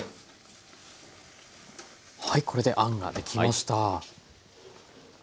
これであんができました。